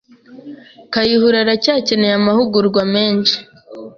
Kayihura aracyakeneye amahugurwa menshi.